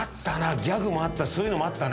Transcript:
ギャグもあったしそういうのもあったね。